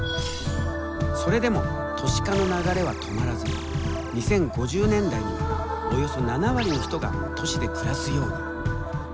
それでも都市化の流れは止まらず２０５０年代にはおよそ７割の人が都市で暮らすように。